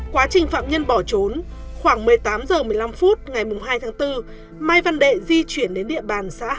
quá trình phạm nhân bỏ trốn khoảng một mươi tám h một mươi năm phút ngày hai tháng bốn mai văn đệ di chuyển đến địa bàn xã hà